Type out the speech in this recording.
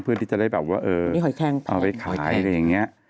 เพื่อที่จะได้แบบว่าเออมีหอยแคงเอาไปขายอะไรอย่างนี้